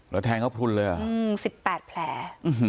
แล้วแทงเขาพลุนเลยเหรอ๑๘แผล